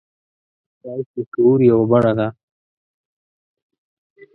ښایست د شعور یوه بڼه ده